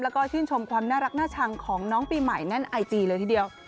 แล้วก็ชื่นชมความน่ารักน่าชังของน้องปีใหม่แน่นไอจีเลยทีเดียว